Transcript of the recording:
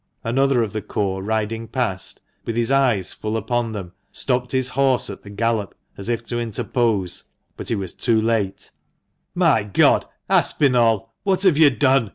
Another of the corps riding past, with his eyes full upon them, stopped his horse at the gallop, as if to interpose, but he was too late. !82 THE MANCHESTER MAN. "My God! Aspinall, what have you done?"